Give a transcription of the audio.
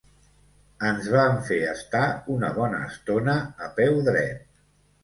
Ens van fer estar una bona estona a peu dret.